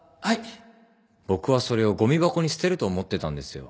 僕はそれをごみ箱に捨てると思ってたんですよ。